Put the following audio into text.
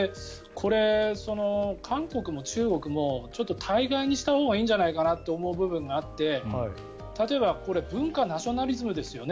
これ、韓国も中国もちょっと大概にしたほうがいいんじゃないかなという部分があって例えば文化ナショナリズムですよね。